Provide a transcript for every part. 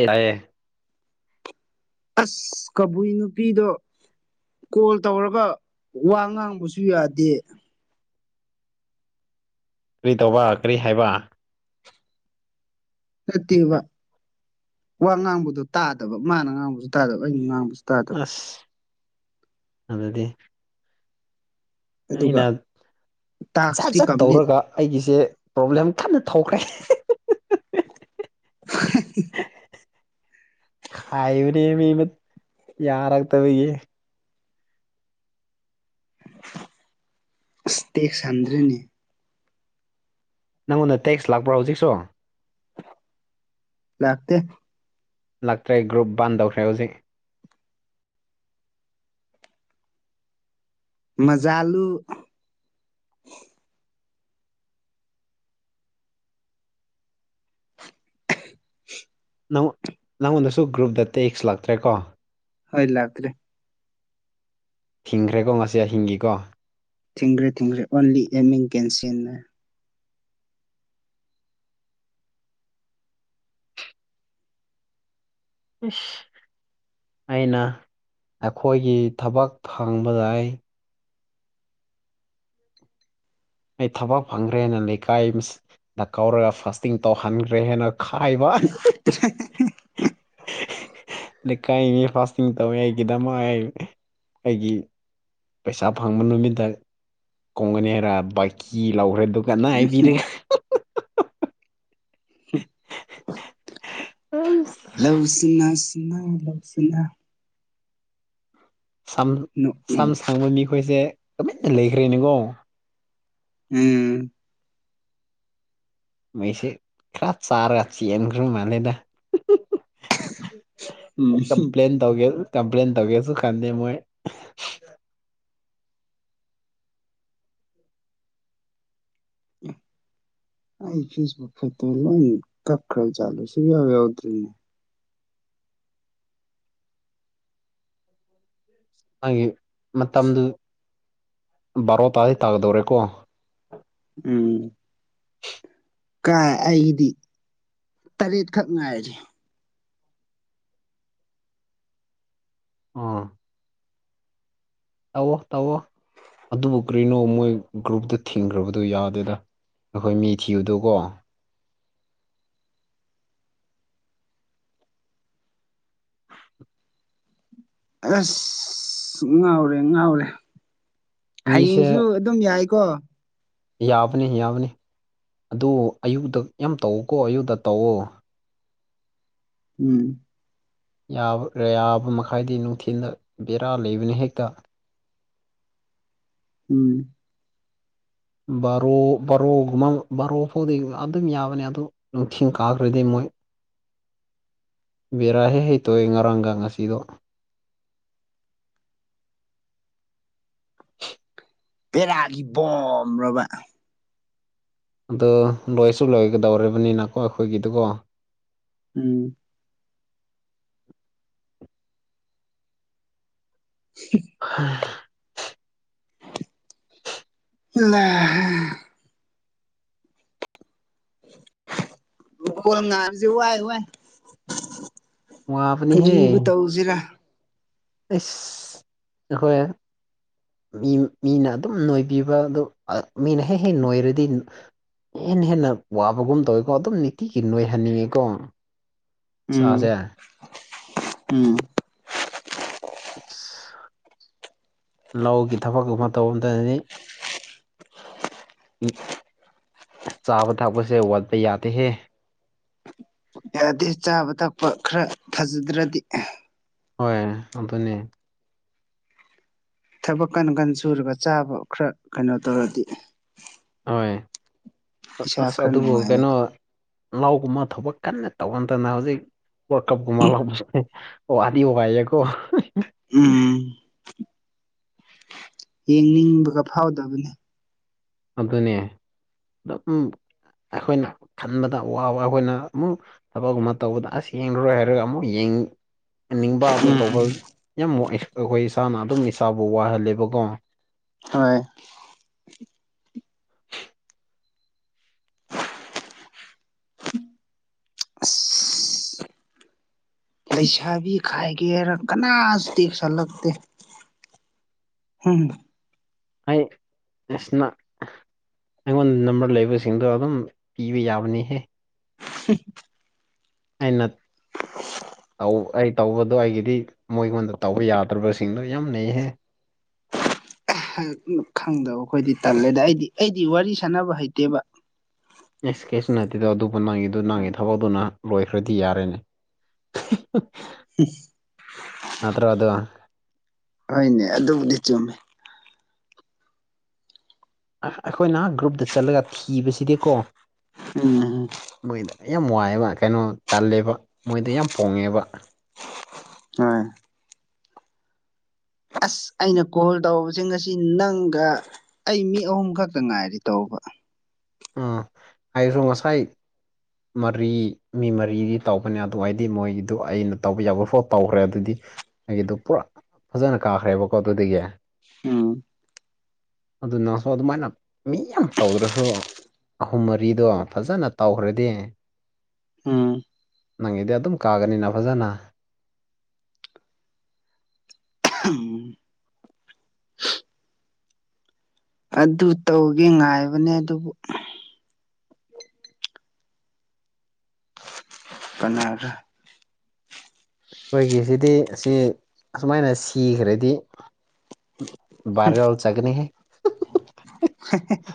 ꯌꯥꯌꯦ ꯑꯁ ꯀꯕꯨꯏ ꯅꯨꯄꯤꯗꯣ ꯀꯣꯜ ꯇꯧꯔꯒ ꯋꯥ ꯉꯥꯡꯕꯁꯨ ꯌꯥꯗꯦ ꯀꯔꯤ ꯇꯧꯕ ꯀꯔꯤ ꯍꯥꯏꯕ ꯅꯠꯇꯦꯕ ꯋꯥ ꯉꯥꯡꯕꯗꯣ ꯇꯥꯗꯕ ꯃꯥꯅ ꯉꯥꯡꯕꯁꯨ ꯇꯥꯗꯕ ꯑꯩꯅ ꯉꯥꯡꯕꯁꯨ ꯇꯥꯗꯕ ꯑꯁ ꯑꯗꯨꯗꯤ ꯑꯗꯨꯒ ꯑꯩꯅ ꯖꯠ ꯇꯥꯛꯁꯇꯤ ꯖꯠ ꯀꯝꯄ꯭ꯂꯤꯠ ꯇꯧꯔꯒ ꯑꯩꯒꯤꯁꯦ ꯄ꯭ꯔꯣꯕ꯭ꯂꯦꯝ ꯀꯟꯅ ꯊꯣꯛꯈ꯭ꯔꯦ [inaudible] ꯈꯥꯏꯕꯅꯦ ꯃꯤ ꯃ ꯌꯥꯔꯥꯛ ꯇꯕꯒꯤ ꯑꯁ ꯇꯦꯛ ꯁꯟꯗ꯭ꯔꯦꯅꯦ ꯅꯪꯉꯣꯟꯗ ꯇꯦꯛꯁ ꯂꯥꯛꯄ꯭ꯔꯣ ꯍꯧꯖꯤꯛꯁꯨ ꯂꯥꯛꯇꯦ ꯂꯥꯛꯇ꯭ꯔꯦ ꯒ꯭ꯔꯨꯞ ꯕꯥꯟ ꯇꯧꯈ꯭ꯔꯦ ꯍꯧꯖꯤꯛ ꯃꯖꯥꯂꯨ [inaudible] ꯅꯪ ꯅꯪꯉꯣꯟꯗꯁꯨ ꯒ꯭ꯔꯨꯞꯗ ꯇꯦꯛꯁ ꯂꯥꯛꯇ꯭ꯔꯦꯀꯣ ꯍꯣꯏ ꯂꯛꯇ꯭ꯔꯦ ꯊꯤꯡꯒ꯭ꯔꯦꯀꯣ ꯉꯁꯤ ꯍꯤꯡꯒꯤꯀꯣ ꯊꯤꯡꯈ꯭ꯔꯦ ꯊꯤꯡꯈ꯭ꯔꯦ ꯑꯣꯟꯂꯤ ꯑꯦꯝꯃꯤꯡ ꯀꯦꯟꯁꯤꯟꯅ ꯏꯁ ꯑꯩꯅ ꯑꯩꯈꯣꯏꯒꯤ ꯊꯕꯛ ꯐꯪꯕꯗ ꯑꯩ ꯑꯩ ꯊꯕꯛ ꯐꯪꯈ꯭ꯔꯦꯅ ꯂꯩꯀꯥꯏ ꯗ ꯀꯧꯔꯒ ꯐꯥꯁꯇꯤꯡ ꯇꯧꯍꯟꯈ꯭ꯔꯦ ꯍꯥꯏꯅ ꯈꯥꯏꯕ [inaudible] ꯂꯩꯀꯥꯏ ꯃꯤ ꯐꯥꯁꯇꯤꯡ ꯇꯧꯋꯦ ꯑꯩꯒꯤꯗꯃꯛ ꯑꯩꯒꯤ ꯄꯩꯁꯥ ꯐꯪꯕ ꯅꯨꯃꯤꯠꯇ ꯀꯣꯡꯒꯅꯤ ꯍꯥꯏꯔ ꯕꯥꯏꯀꯤ ꯂꯧꯔꯦ ꯑꯗꯨꯒ ꯀꯅ ꯍꯥꯏꯕꯤꯔ ꯎꯝ ꯎꯝ ꯂꯧꯎ ꯁꯤꯡꯅ ꯁꯤꯡꯅ ꯂꯧ ꯁꯤꯡꯅ ꯁꯝ ꯁꯝ ꯅꯣꯛꯅꯤꯡ ꯁꯪꯕ ꯃꯤꯈꯣꯏꯁꯦ ꯇꯨꯃꯤꯟꯅ ꯂꯩꯈ꯭ꯔꯦꯅꯦꯉꯣ ꯎꯝ ꯃꯩꯁꯦ ꯈꯔ ꯆꯥꯔꯒ ꯆꯦꯟꯈ꯭ꯔ ꯃꯥꯜꯂꯦꯗ ꯎꯝ ꯀꯄ꯭ꯂꯦꯟ ꯇꯧꯒꯦ ꯀꯝꯄ꯭ꯂꯦꯟ ꯇꯧꯒꯦꯁꯨ ꯀꯥꯟꯗꯦ ꯃꯣꯏ [inaudible] ꯑꯩ ꯐꯦꯁꯕꯨꯛ ꯈꯠꯇ ꯂꯣꯏ ꯀꯛ ꯈꯔ ꯖꯠꯂ ꯁꯤ ꯌꯥꯎ ꯌꯥꯎꯗ꯭ꯔꯤꯅꯦ ꯎꯝ [unintelligible] ꯃꯥꯒꯤ ꯃꯇꯝꯗꯨ ꯕꯥꯔꯣ ꯇꯥꯗꯤ ꯇꯥꯗꫭꯔꯦꯀꯣ ꯎꯝ ꯀꯥꯏ ꯑꯩꯗꯤ ꯇꯔꯦꯠꯈꯛ ꯉꯥꯏꯔꯦ ꯑꯥ ꯇꯧꯋꫭ ꯇꯧꯋꫭ ꯑꯗꯨꯕꯨ ꯀꯔꯤꯅꯣ ꯃꯣꯏ ꯒ꯭ꯔꯨꯞꯇ ꯊꯤꯡꯈ꯭ꯔꯕꯗꯨ ꯌꯥꯗꯦꯗ ꯑꯩꯈꯣꯏ ꯃꯤ ꯊꯤꯕꯗꯨꯀꯣ ꯑꯁ ꯉꯥꯎꯔꯦ ꯉꯥꯎꯔꯦ ꯃꯤꯁꯦ ꯍꯌꯦꯡꯖꯨ ꯑꯗꯨꯝ ꯌꯥꯏꯀꯣ ꯌꯥꯕꯅꯤ ꯌꯥꯕꯅꯤ ꯑꯗꯨ ꯑꯌꯨꯛꯇ ꯌꯥꯝ ꯇꯧꯀꯣ ꯑꯌꯨꯛꯇ ꯇꯧꯑꯣ ꯎꯝ ꯌꯥꯕ ꯌꯥꯕ ꯃꯈꯥꯏꯗꯤ ꯅꯨꯡꯊꯤꯜꯗ ꯕꯦꯔꯥ ꯂꯩꯕꯅꯤ ꯍꯦꯛꯇ ꯎꯝ ꯕꯥꯔꯣ ꯕꯥꯔꯣꯒꯨꯝꯕ ꯕꯥꯔꯣꯐꯥꯎꯗꯤ ꯑꯗꯨꯝ ꯌꯥꯕꯅꯦ ꯑꯗꯨ ꯅꯨꯡꯊꯤꯟ ꯀꯥꯈ꯭ꯔꯗꯤ ꯃꯣꯏ [inaudible] ꯕꯦꯔꯥ ꯍꯦꯛ ꯍꯦꯛ ꯇꯧꯋꯦ ꯉꯔꯥꯡꯒ ꯉꯁꯤꯗꯣ ꯄꯦꯔꯥꯒꯤ ꯕꫭꯝꯔꯕ ꯑꯗꯨ ꯂꯣꯏꯁꯨ ꯂꯣꯏꯒꯗꯧꯔꯤꯕꯅꯤꯅꯀꯣ ꯑꯩꯈꯣꯏꯒꯤꯗꯨꯀꯣ ꯎꯝ ꯎ [unintelligible] ꯍꯥꯏ [unintelligible] ꯂ [unintelligible] ꯂꯨꯀꫭꯟ ꯉꯥꯏꯕꯁꯤ ꯋꯥꯏ ꯋꯥꯏ ꯋꯥꯕꯅꯤꯍꯦ ꯀꯔꯤꯕꯨ ꯇꯧꯁꯤꯔꯥ ꯑꯩꯁ ꯅꯈꯣꯏ ꯃꯤ ꯃꯤꯅ ꯑꯗꯨꯝ ꯅꯣꯏꯕꯤꯕ ꯑꯗꯨ ꯃꯤꯅ ꯍꯦꯛ ꯍꯦꯛ ꯅꯣꯏꯔꯗꯤ ꯍꯦꯟꯅ ꯍꯦꯟꯅ ꯋꯥꯕꯒꯨꯝ ꯇꯧꯋꯤꯀꯣ ꯑꯗꯨꯝ ꯅꯨꯡꯇꯤꯒꯤ ꯅꯣꯏꯍꯟꯅꯤꯡꯉꯤꯀꯣ ꯏꯁꯥꯁꯦ ꯎꯝ ꯎꯝ ꯂꯧꯒꯤ ꯊꯕꯛ ꯀꯨꯝꯕ ꯇꯧꯔꯝꯗꯥꯏꯗꯗꯤ ꯆꯥꯕ ꯊꯛꯄꯁꯦ ꯋꯥꯠꯄ ꯌꯥꯗꯦꯍꯦ ꯌꯥꯗꯦ ꯆꯥꯕ ꯊꯛꯄ ꯈꯔ ꯐꯖꯗ꯭ꯔꯗꯤ ꯍꯣꯏ ꯑꯗꯨꯅꯦ ꯊꯕꯛ ꯀꯟ ꯀꯟ ꯁꯨꯔꯒ ꯆꯥꯕ ꯈꯔ ꯀꯩꯅꯣ ꯇꯧꯔꯗꯤ ꯍꯣꯏ ꯏꯁꯥ ꯑꯁ ꯈꯔ ꯑꯗꯨꯕꯨ ꯀꯩꯅꯣ ꯅꯨꯡꯉꯥꯏꯌꯦꯕ ꯂꯧꯒꯨꯝꯕ ꯊꯕꯛ ꯀꯟꯅ ꯇꯧꯃꯟꯗꯅ ꯍꯧꯖꯤꯛ ꯋꯥꯀꯞꯀꯨꯝꯕ ꯂꯥꯎꯕ ꯆꯠꯂꯦ ꯋꯥꯗꯤ ꯋꯥꯏꯌꯦꯀꯣ ꯎꯝ ꯌꯦꯡꯅꯤꯡꯕꯒ ꯐꯥꯎꯗꯕꯅꯦ ꯑꯗꯨꯅꯦ ꯑꯗꯨꯝ ꯑꯩꯈꯣꯏꯅ ꯈꯟꯕꯗ ꯋꯥꯕ ꯑꯩꯈꯣꯏꯅ ꯑꯃꯨꯛ ꯊꯕꯛꯒꯨꯝꯕ ꯇꯧꯕꯗ ꯑꯁ ꯌꯦꯡꯂꯔꯣꯏ ꯍꯥꯏꯔꯒ ꯑꯃꯨꯛ ꯌꯦꯡ ꯅꯤꯡꯕ ꯑꯗꯨ ꯇꯧꯕ ꯎꯝ ꯌꯥꯝ ꯑꯩꯈꯣꯏ ꯏꯁꯥꯅ ꯑꯗꯨꯝ ꯏꯁꯥꯕꯨ ꯋꯥꯍꯜꯂꯦꯕꯀꯣ ꯍꯣꯏ [unintelligible] ꯑꯁ ꯂꯩꯁꯥꯕꯤ ꯈꯥꯏꯒꯦꯔ ꯀꯅꯥꯁꯨ ꯇꯦꯛꯁ ꯍꯜꯂꯛꯇꯦ ꯍꯝ ꯑꯩ ꯏꯁ ꯅꯪ ꯑꯩꯉꯣꯟꯗ ꯅꯝꯕꯔ ꯂꯩꯕꯁꯤꯡꯗꯣ ꯑꯗꯨꯝ ꯄꯤꯕ ꯌꯥꯕꯅꯤꯍꯦ ꯑꯩꯅ [unintelligible] ꯇꯧ ꯑꯩ ꯇꯧꯕꯗꯣ ꯑꯩꯒꯤꯗꯤ ꯃꯣꯏꯉꯣꯟꯗ ꯇꯧꯕ ꯌꯥꯗ꯭ꯔꯕꯁꯤꯡꯗꯣ ꯌꯥꯝ ꯅꯩꯍꯦ ꯈꯪꯗꯕ ꯑꯩꯈꯣꯏꯗꯤ ꯇꯜꯂꯦꯗ ꯑꯩꯗꯤ ꯑꯩꯗꯤ ꯋꯥꯔꯤ ꯁꯥꯟꯅꯕ ꯍꯩꯇꯦꯕ ꯑꯦꯛꯁꯀ꯭ꯌꯨꯁ ꯅꯠꯇꯦꯗꯣ ꯑꯗꯨꯕꯨ ꯅꯪꯉꯤꯗꯨ ꯅꯪꯉꯤ ꯊꯕꯛꯇꯨꯅ ꯂꯣꯏꯈ꯭ꯔꯗꯤ ꯌꯥꯔꯦꯅꯦ [unintelligible] ꯅꯠꯇ꯭ꯔꯣ ꯑꯗꯨ ꯍꯣꯏꯅꯦ ꯑꯗꯨꯕꯨꯗꯤ ꯆꯨꯝꯃꯦ ꯑꯥ ꯑꯩꯈꯣꯏꯅ ꯒ꯭ꯔꯨꯞꯇ ꯆꯠꯂꯒ ꯊꯤꯕꯁꯤꯗꯤꯀꯣ ꯎꯝ ꯃꯣꯏꯗ ꯌꯥꯝ ꯋꯥꯏꯑꯦꯕ ꯀꯩꯅꯣ ꯇꯜꯂꯦꯕ ꯃꯣꯏꯗ ꯌꯥꯝ ꯄꯣꯡꯉꯦꯕ ꯍꯣꯢ ꯑꯁ ꯑꯩꯅ ꯀꯣꯜ ꯇꯧꯕꯁꯤ ꯉꯁꯤ ꯅꯪꯒ ꯑꯩ ꯃꯤ ꯑꯍꯨꯝ ꯈꯛꯇ ꯉꯥꯏꯔꯤ ꯇꯧꯕ ꯑꯥ ꯍꯥꯢꯔꯨ ꯉꯁꯥꯏ ꯃꯔꯤ ꯃꯤ ꯃꯔꯤꯗꯤ ꯇꯧꯕꯅꯦ ꯑꯗꯨ ꯑꯩꯗꯤ ꯃꯣꯏꯒꯤꯗꯨ ꯑꯩꯅ ꯇꯧꯕ ꯌꯥꯕ ꯐꯥꯎ ꯇꯧꯈ꯭ꯔꯦ ꯑꯗꯨꯗꯤ ꯑꯩꯒꯤꯗꯨ ꯄꯨꯔꯥ ꯐꯖꯅ ꯀꯥꯈ꯭ꯔꯦꯕꯀꯣ ꯑꯗꯨꯗꯒꯤ ꯎꯝ ꯑꯗꯨ ꯅꯪꯁꯨ ꯑꯗꯨꯃꯥꯏꯅ ꯃꯤ ꯌꯥꯝ ꯇꯧꯗ꯭ꯔꯁꯨ ꯑꯍꯨꯝ ꯃꯔꯤꯗꯣ ꯐꯖꯅ ꯇꯧꯈ꯭ꯔꯗꯤ ꯎꯝ ꯅꯪꯒꯤꯗꯤ ꯑꯗꯨꯝ ꯀꯥꯒꯅꯤꯅ ꯐꯖꯅ ꯑꯍꯝ ꯑꯗꯨ ꯇꯧꯒꯦ ꯉꯥꯏꯕꯅꯦ ꯑꯗꯨꯕꯨ ꯀꯅꯔꯥ ꯈꯣꯏꯒꯤꯁꯤꯗꯤ ꯑꯁꯤ ꯑꯁꯨꯃꯥꯏꯅ ꯁꯤꯈ꯭ꯔꯗꯤ ꯚꯥꯔꯦꯜ ꯆꯠꯒꯅꯤꯍꯦ ꯍꯦ ꯍꯦ ꯍꯦ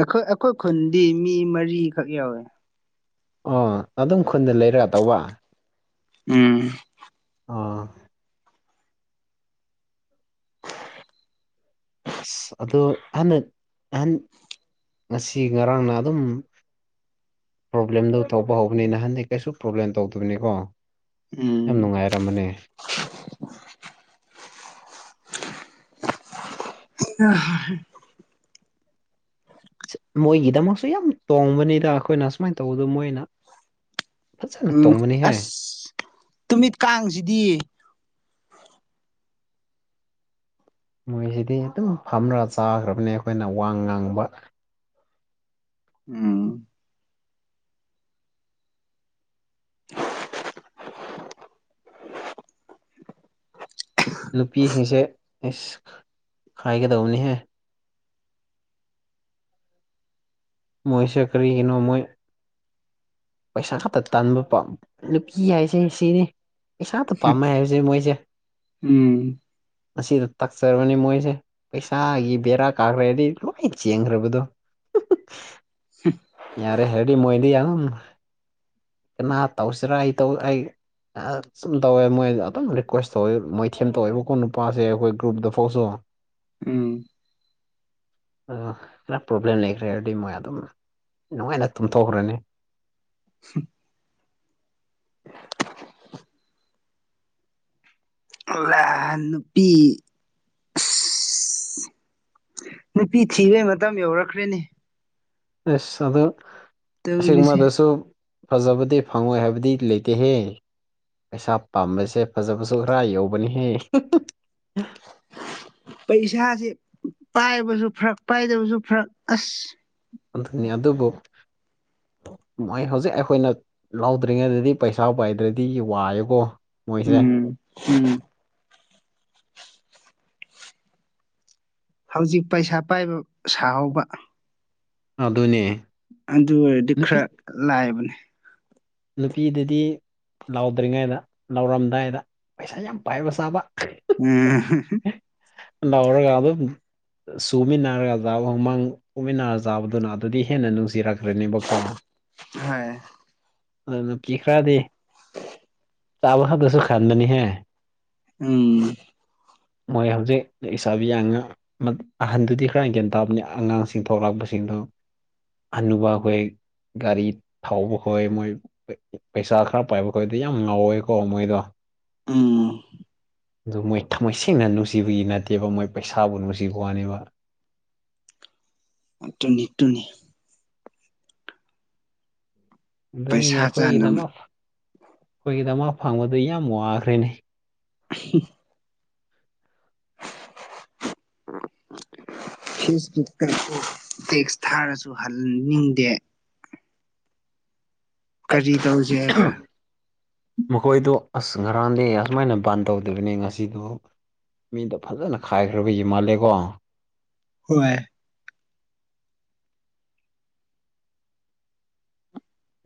ꯑꯩꯈꯣꯏ ꯑꯈꯣꯏ ꯈꯨꯟꯗꯤ ꯃꯤ ꯃꯔꯤꯈꯛ ꯌꯥꯎꯋꯦ ꯑꯣ ꯑꯗꯨꯝ ꯈꯨꯟꯗ ꯂꯩꯔꯒ ꯇꯧꯕ ꯎꯝ ꯑꯣ ꯑꯁ ꯑꯗꯣ ꯅꯍꯅ ꯑꯍꯟ ꯉꯁꯤ ꯉꯔꯥꯡꯅ ꯑꯗꯨꯝ ꯄ꯭ꯔꯣꯕ꯭ꯂꯦꯝꯗꯨ ꯊꯣꯛꯄ ꯍꯧꯕꯅꯤ ꯅꯍꯥꯟꯗꯤ ꯀꯩꯁꯨ ꯄ꯭ꯔꯣꯕ꯭ꯂꯦꯝ ꯇꯧꯗꯕꯅꯤꯀꯣ ꯌꯥꯝ ꯎꯝ ꯅꯨꯡꯉꯥꯏꯔꯝꯕꯅꯦ [unintelligible] ꯃꯣꯏꯒꯤꯗꯃꯛꯁꯨ ꯌꯥꯝ ꯇꯣꯡꯕꯅꯤꯗ ꯑꯈꯣꯏꯅ ꯁꯨꯃꯥꯏꯟ ꯇꯧꯕꯗꯨ ꯃꯣꯏꯅ ꯐꯖꯅ ꯎꯝ ꯇꯣꯡꯕꯅꯤꯍꯦ ꯑꯁ ꯇꯨꯃꯤꯠ ꯀꯥꯡꯁꯤꯗꯤ ꯃꯣꯏꯁꯤꯗꯤ ꯑꯗꯨꯝ ꯐꯝꯔ ꯆꯥꯈ꯭ꯔꯕꯅꯤ ꯑꯩꯈꯣꯏꯅ ꯋꯥ ꯉꯥꯡꯕ ꯎꯝ ꯅꯨꯄꯤꯁꯤꯡꯁꯦ ꯑꯁ ꯍꯥꯏꯒꯗꯧꯕꯅꯤꯍꯦ ꯃꯣꯏꯁꯦ ꯀꯔꯤꯒꯤꯅꯣ ꯃꯣꯏ ꯄꯩꯁꯥ ꯈꯛꯇ ꯇꯥꯟꯕ ꯄꯥꯝ ꯅꯨꯄꯤ ꯍꯥꯏꯁꯦ ꯁꯤꯅꯤ ꯄꯩꯁꯥꯇ ꯄꯥꯝꯃꯦ ꯍꯥꯏꯕꯁꯦ ꯃꯣꯏꯁꯦ ꯎꯝ ꯑꯁꯤꯗ ꯇꯥꯛꯆꯕꯅꯤ ꯃꯣꯏꯁꯦ ꯄꯩꯁꯥꯒꯤ ꯕꯦꯔꯥ ꯀꯥꯒ꯭ꯔꯦ ꯑꯗꯤ ꯂꯣꯏ ꯆꯦꯟꯈ꯭ꯔꯕꯗꯣ ꯍꯝ ꯌꯥꯔꯦ ꯍꯥꯏꯔꯗꯤ ꯃꯣꯏꯗꯤ ꯌꯥꯝ ꯀꯅꯥ ꯇꯧꯁꯤꯔꯥ ꯑꯩ ꯇꯧ ꯑꯩ ꯑꯥ ꯆꯨꯝ ꯇꯧꯋꯦ ꯃꯣꯏ ꯑꯗꯨꯝ ꯔꯤꯀ꯭ꯋꯦꯁ ꯇꯧꯋꯦ ꯃꯣꯏꯊꯦꯝ ꯇꯧꯋꯦꯕꯀꯣ ꯅꯨꯄꯥꯁꯦ ꯑꯈꯣꯏ ꯒ꯭ꯔꯨꯞꯗꯐꯥꯎꯁꯨ ꯎꯝ ꯑ ꯂꯥ ꯄ꯭ꯔꯣꯕ꯭ꯂꯦꯝ ꯂꯩꯈ꯭ꯔꯦ ꯍꯥꯏꯔꯗꯤ ꯃꯣꯏ ꯑꯗꯨꯝ ꯅꯨꯡꯉꯥꯏꯅ ꯇꯨꯝꯊꯣꯛꯈ꯭ꯔꯅꯤ ꯑꯍ ꯅꯨꯄꯤ ꯑꯁ ꯅꯨꯄꯤ ꯊꯤꯕꯩ ꯃꯇꯝ ꯌꯧꯔꯛꯈ꯭ꯔꯦꯅꯦ ꯑꯤꯁ ꯑꯗꯨ ꯇꯧꯔꯤꯁꯦ ꯑꯁꯤꯒꯨꯝꯕꯗꯁꯨ ꯐꯖꯕꯗꯤ ꯐꯪꯉꯣꯏ ꯍꯥꯏꯕꯗꯤ ꯂꯩꯇꯦꯍꯦ ꯄꯩꯁꯥ ꯄꯥꯝꯕꯁꯦ ꯐꯖꯕꯁꯨ ꯈꯔ ꯌꯧꯕꯅꯤꯍꯦ ꯍꯨꯃ ꯄꯩꯁꯥꯖꯦ ꯄꯥꯏꯕꯁꯨ ꯐꯔꯛ ꯄꯥꯏꯗꯕꯁꯨ ꯐꯔꯛ ꯑꯁ ꯑꯗꯨꯅꯤ ꯑꯗꯨꯕꯨ ꯃꯣꯏ ꯍꯧꯖꯤꯛ ꯑꯩꯈꯣꯏꯅ ꯂꯥꯎꯗ꯭ꯔꯤꯉꯩꯗꯗꯤ ꯄꯩꯁꯥ ꯄꯥꯏꯗ꯭ꯔꯗꯤ ꯋꯥꯏꯌꯦꯀꯣ꯫ ꯃꯣꯏꯁꯦ ꯎꯝ ꯎꯝ ꯍꯧꯖꯤꯛ ꯄꯩꯁꯥ ꯄꯥꯏꯕ ꯁꯥꯍꯧꯕ ꯑꯗꯨꯅꯦ꯫ ꯑꯗꯨ ꯑꯣꯏꯔꯗꯤ ꯅꯨꯄꯤ ꯈꯔ ꯂꯥꯏꯕꯅꯦ꯫ ꯅꯨꯄꯤꯗꯗꯤ ꯂꯥꯎꯗ꯭ꯔꯤꯉꯩꯗ ꯂꯥꯎꯔꯝꯗꯥꯏꯗ ꯄꯩꯁꯥ ꯌꯥꯝ ꯄꯥꯏꯕ ꯁꯥꯕ ꯎꯝ ꯍꯨꯝ ꯂꯎꯔꯒ ꯑꯗꯨꯝ ꯁꯨꯃꯤꯟꯅꯔꯒꯗ ꯍꯧꯃꯥꯡ ꯎꯃꯤꯅꯥꯔ ꯆꯥꯕꯗꯨꯅ ꯑꯗꯨꯗꯤ ꯍꯦꯟꯅ ꯅꯨꯡꯁꯤꯔꯛꯈ꯭ꯔꯅꯦꯕꯀꯣ꯫ ꯍꯥꯏ ꯑꯗꯨ ꯅꯨꯄꯤ ꯈꯔꯗꯤ [unintelligible] ꯆꯥꯕ ꯈꯛꯗꯁꯨ ꯈꯟꯕꯅꯤꯍꯦ꯫ ꯎꯝ ꯃꯣꯏ ꯍꯧꯖꯤꯛ ꯏꯁꯥꯕꯤ ꯌꯥꯡꯉ ꯃꯛ ꯑꯍꯟꯗꯨꯗꯤ ꯈꯔ ꯒ꯭ꯌꯥꯟ ꯇꯥꯕꯅꯤ ꯑꯉꯥꯡꯁꯤꯡ ꯊꯣꯛꯂꯛꯄꯁꯤꯡꯗꯨ ꯍꯥꯅꯨꯕ ꯑꯩꯈꯣꯏ ꯒꯥꯔꯤ ꯊꯧꯕꯈꯣꯏ ꯃꯣꯏ ꯄꯩꯁꯥ ꯈꯔ ꯄꯥꯏꯕ ꯈꯣꯏꯗꯤ ꯌꯥꯝ ꯉꯥꯎꯋꯦꯀꯣ ꯃꯣꯏꯗꯣ ꯎꯝ ꯑꯗꯨ ꯃꯣꯏ ꯊꯃꯣꯏ ꯁꯦꯡꯅ ꯅꯨꯡꯁꯤꯕꯒꯤ ꯅꯠꯇꯦꯕ ꯃꯣꯏ ꯄꯩꯁꯥꯕꯨ ꯅꯨꯡꯁꯤꯕ ꯋꯥꯅꯦꯕ ꯇꯨꯅꯤ ꯇꯨꯅꯤ ꯑꯗꯨꯅꯤꯅꯦ ꯄꯩꯁꯥ ꯆꯥꯅꯕ ꯑꯩꯈꯣꯏꯒꯤꯗꯃꯛ ꯑꯩꯈꯣꯏꯒꯤꯗꯃꯛ ꯐꯪꯕꯗꯨ ꯌꯥꯝ ꯋꯥꯈ꯭ꯔꯦꯅꯦ [unintelligible] ꯎꯝ ꯐꯤꯁ ꯇꯤꯛ ꯇꯦꯛꯁ ꯊꯥꯔꯁꯨ ꯍꯟꯅꯤꯡꯗꯦ ꯀꯔꯤ ꯇꯧꯁꯦ ꯍꯥꯏꯕ꯭ꯔꯥ ꯃꯈꯣꯏꯗꯣ ꯑꯁ ꯉꯔꯥꯡꯗꯤ ꯑꯁꯨꯃꯥꯏꯅ ꯕꯥꯟ ꯇꯧꯗꯕꯅꯤ ꯉꯁꯤꯗꯨ ꯃꯤꯗ ꯐꯖꯅ ꯈꯥꯏꯈ꯭ꯔꯕꯏ ꯃꯥꯜꯂꯦꯒꯣ꯫ ꯍꯣꯏ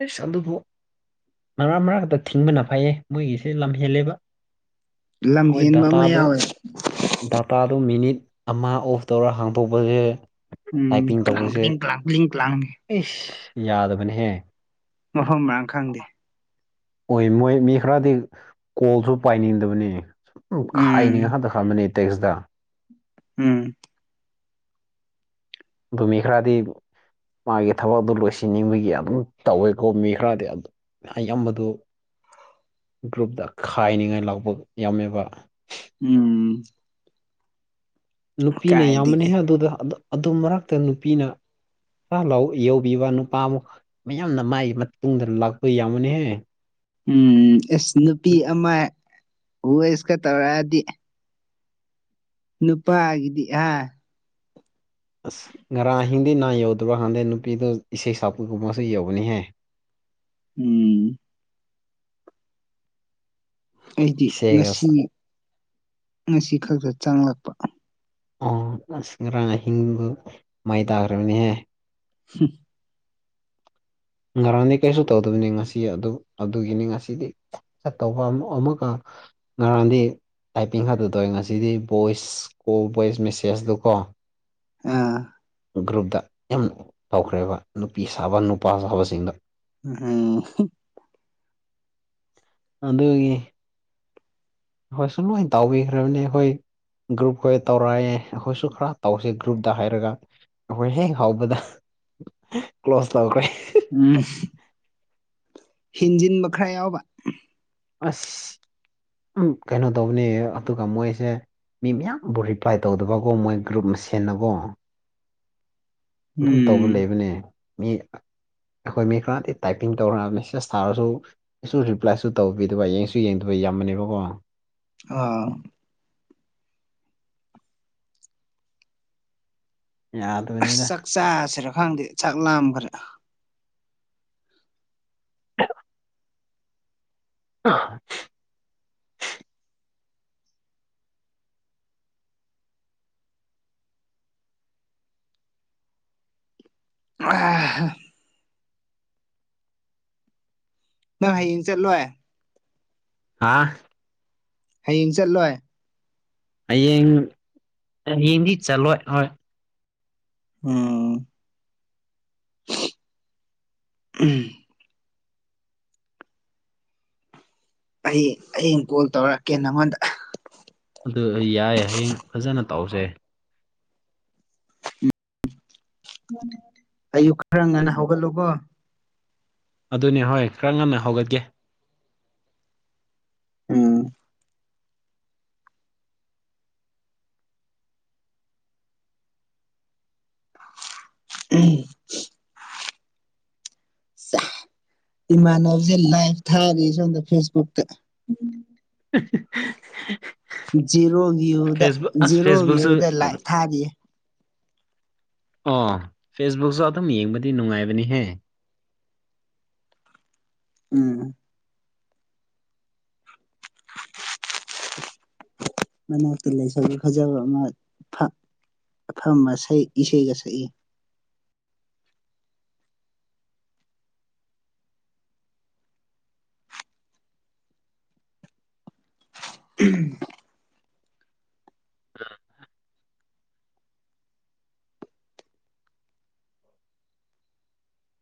ꯑꯦꯁ ꯑꯗꯨꯕꯨ ꯃꯔꯥ ꯃꯔꯥ ꯈꯛꯇ ꯊꯤꯡꯕꯅ ꯐꯩꯌꯦ ꯃꯣꯏꯒꯤꯁꯦ ꯂꯝ ꯍꯦꯜꯂꯦꯕ꯫ ꯂꯝ ꯑꯣꯏ ꯍꯦꯟꯕ ꯑꯃ ꯗꯇꯥꯂꯣ ꯌꯥꯎꯋꯦ ꯗꯥꯇꯥꯗꯣ ꯃꯤꯅꯤꯠ ꯑꯃ ꯑꯣꯐ ꯇꯧꯔ ꯍꯥꯡꯗꯣꯛꯄꯖꯦ ꯎꯝ ꯀꯅꯥꯡ ꯀꯤꯅꯤꯡ ꯀꯂꯥꯡ ꯀꯤꯂꯤꯡ ꯀꯂꯥꯡ ꯏꯁ ꯌꯥꯗꯕꯅꯦꯍ ꯃꯐꯝ ꯃꯔꯥꯡ ꯈꯪꯗꯦ ꯑꯣꯏ ꯃꯣꯏ ꯃꯤ ꯈꯔꯗꯤ ꯀꯣꯜꯁꯨ ꯄꯥꯏꯅꯤꯡꯗꯕꯅꯤ꯫ ꯎꯝ ꯈꯥꯏꯅꯤꯡꯉ ꯍꯟꯇ ꯈꯕꯅꯦ ꯇꯦꯛꯁꯇ ꯎꯝ ꯑꯗꯨꯃꯤ ꯈ꯭ꯔꯥꯗꯤ ꯃꯥꯒꯤ ꯊꯕꯛ ꯑꯗꯨ ꯂꯣꯏꯁꯤꯟꯅꯤꯡꯕꯒꯤ ꯑꯗꯨꯝ ꯇꯧꯋꯦꯀꯣ ꯃꯤ ꯈꯔꯗꯤ ꯑꯗꯨ ꯑꯌꯥꯝꯕꯗꯨ ꯒ꯭ꯔꯨꯞꯇ ꯈꯥꯏꯅꯤꯡꯉꯥꯏ ꯂꯥꯛꯄ ꯌꯥꯝꯃꯦꯕ ꯎꯝ ꯅꯨꯄꯤꯅ ꯌꯥꯝꯃꯅꯤ ꯀꯥꯏꯗꯒꯤ ꯍꯥꯏ ꯑꯗꯨꯗ ꯑꯗꯨ ꯃꯔꯛꯇ ꯅꯨꯄꯤꯅ ꯆꯍꯥꯛꯜ ꯂꯥꯎ ꯌꯧꯕꯤꯕ ꯅꯨꯄꯥ ꯑꯃꯨꯛ ꯃꯌꯥꯝꯅ ꯃꯥꯏꯒꯤ ꯃꯇꯨꯡꯗ ꯂꯥꯛꯄ ꯌꯥꯃꯅꯤꯍꯦ ꯎꯝ ꯑꯦꯁ ꯅꯨꯄꯤ ꯑꯃ ꯍꯁꯀ ꯇꯧꯔꯛꯑꯗꯤ꯫ ꯅꯨꯄꯥꯒꯗꯤ ꯍꯥ ꯑꯁ ꯉꯔꯥꯡ ꯑꯍꯤꯡꯗꯤ ꯅꯥ ꯌꯧꯗ꯭ꯔꯕ ꯈꯪꯗꯦ ꯅꯨꯄꯤꯗꯣ ꯏꯁꯩ ꯁꯛꯄꯒꯨꯝꯕꯁꯨ ꯌꯧꯕꯅꯤꯍꯦ ꯎꯝ ꯑꯩꯗꯤ ꯏꯁꯩꯒ ꯉꯁꯤ ꯉꯁꯤ ꯈꯛꯇ ꯆꯪꯂꯛꯄ ꯑꯣ ꯑꯁ ꯉꯔꯥꯡ ꯑꯍꯤꯡꯗꯨ ꯃꯩ ꯇꯥꯈ꯭ꯔꯕꯅꯤꯍꯦ ꯍꯝ ꯉꯔꯥꯡꯗꯤ ꯀꯩꯁꯨ ꯇꯧꯗꯕꯅꯤ ꯉꯁꯤ ꯑꯗꯨ ꯑꯗꯨꯒꯤꯅꯤ ꯉꯁꯤꯗꯤ ꯆꯠꯇꯧꯕ ꯑꯃ ꯑꯃꯨꯛꯒ ꯉꯔꯥꯟꯗꯤ ꯇꯥꯏꯄꯤꯡ ꯈꯇ ꯇꯧꯋꯦ ꯉꯁꯤꯗꯤ ꯚꯣꯏꯁ ꯀꯣꯜ ꯚꯣꯏꯁ ꯃꯦꯁꯦꯁꯇꯨ ꯀꯣ ꯑꯥ ꯒ꯭ꯔꯨꯞꯇ ꯌꯥꯝ ꯍꯧꯈ꯭ꯔꯦꯕ ꯅꯨꯄꯤ ꯁꯥꯕ ꯅꯨꯄꯥ ꯁꯥꯕꯁꯤꯡꯗꯣ ꯎꯝ ꯑꯗꯨꯒꯤ ꯍꯣꯏ ꯁꯨꯝ ꯂꯣꯏ ꯇꯥꯎꯕꯤꯈ꯭ꯔꯕꯅꯦ ꯑꯩꯈꯣꯏ ꯒ꯭ꯔꯨꯞꯈꯣꯏ ꯇꯧꯔꯛꯑꯦ ꯑꯩꯈꯣꯏꯁꯨ ꯈꯔ ꯇꯧꯁꯦ ꯒ꯭ꯔꯨꯞꯇ ꯍꯥꯏꯔꯒ ꯑꯩꯈꯣꯏ ꯍꯦꯛ ꯍꯧꯕꯗ ꯀ꯭ꯂꯣꯁ ꯇꯧꯈ꯭ꯔꯦ ꯎꯝ ꯍꯦꯟꯖꯤꯟꯕ ꯈꯔ ꯌꯥꯎꯕ ꯑꯁ ꯎꯝ ꯀꯩꯅꯣ ꯇꯧꯕꯅꯦ ꯑꯗꯨꯒ ꯃꯣꯏꯁꯦ ꯃꯤ ꯃꯌꯥꯝꯕꯨ ꯔꯤꯄ꯭ꯂꯥꯏ ꯇꯧꯗꯕꯒꯨꯝ ꯃꯣꯏ ꯒ꯭ꯔꯨꯞ ꯃꯁꯦꯟꯅꯀꯣ ꯑꯗꯨꯝ ꯇꯧꯕ ꯎꯝ ꯂꯩꯕꯅꯦ ꯃꯤ ꯑꯩꯈꯣꯏ ꯃꯤ ꯈꯔꯗꯤ ꯇꯥꯏꯄꯤꯡ ꯇꯧꯔꯒ ꯃꯦꯁꯦꯁ ꯊꯥꯔꯁꯨ ꯑꯩꯁꯨ ꯔꯤꯄ꯭ꯂꯥꯏꯁꯨ ꯇꯧꯕꯤꯗꯕ ꯌꯦꯡꯁꯨ ꯌꯦꯡꯗꯕ ꯌꯥꯝꯕꯅꯦꯕꯀꯣ ꯑꯥ ꯑꯁ ꯌꯥꯗꯕꯅꯤꯗ ꯆꯥꯛ ꯆꯥꯁꯤꯔ ꯈꯪꯗꯦ ꯆꯥꯛ ꯂꯥꯝꯈꯔꯦ [unintelligible] ꯑꯥ [unintelligible] ꯅꯪ ꯍꯌꯦꯡ ꯆꯠꯂꯣꯏ ꯍꯥ ꯍꯌꯦꯡ ꯆꯠꯂꯣꯏ ꯍꯌꯦꯡ ꯍꯌꯦꯡꯗꯤ ꯆꯠꯂꯣꯏ ꯍꯣꯏ ꯎꯝ ꯎꯝ ꯑꯩ ꯍꯌꯦꯡ ꯀꯣꯜ ꯇꯧꯔꯛꯀꯦ ꯅꯪꯉꯣꯟꯗ ꯑꯗꯨ ꯌꯥꯏ ꯍꯌꯦꯡ ꯐꯖꯅ ꯇꯧꯖꯦ ꯑꯌꯨꯛ ꯈꯔ ꯉꯟꯅ ꯍꯧꯒꯠꯂꯨꯕꯣ ꯑꯗꯨꯅꯤ ꯍꯣꯏ ꯈꯔ ꯉꯟꯅ ꯍꯧꯒꯠꯀꯦ ꯎꯝ ꯎꯝ ꯆꯥ ꯏꯃꯥꯟꯅꯕꯁꯦ ꯂꯥꯏꯚ ꯊꯥꯔꯤ ꯁꯣꯝꯗ ꯐꯦꯁꯕꯨꯛꯇ [unintelligible] ꯖꯦꯔꯣ ꯒꯤꯌꯨꯗ ꯐꯦꯁꯕꯨꯛ ꯑꯁ ꯖꯦꯔꯣ ꯐꯦꯁꯕꯨꯛꯁꯨ ꯒꯤꯌꯨꯗ ꯂꯥꯏꯚ ꯊꯥꯔꯤꯌꯦ ꯑꯣ ꯐꯦꯁꯕꯨꯛꯁꯨ ꯑꯗꯨꯝ ꯌꯦꯡꯕꯗꯤ ꯅꯨꯡꯉꯥꯏꯕꯅꯤꯍꯦ ꯎꯝ꯫ ꯃꯅꯥꯛꯇ ꯂꯩꯁꯥꯕꯤ ꯐꯖꯕ ꯑꯃ ꯐꯝ ꯐꯝꯃ ꯏꯁꯩꯒ ꯁꯛꯏ ꯎꯝ ꯎꯝ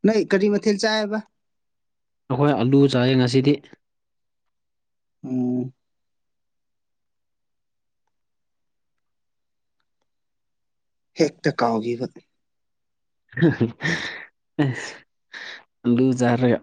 ꯅꫭꯏ ꯀꯔꯤ ꯃꯊꯦꯜ ꯆꯥꯏꯌꯦꯕ ꯑꯩꯈꯣꯏ ꯑꯂꯨ ꯆꯥꯌꯦ ꯉꯁꯤꯗꯤ ꯎꯝ ꯍꯦꯛꯇ ꯀꯥꯎꯒꯤꯕ [unintelligible] ꯂꯨꯖꯔꯒ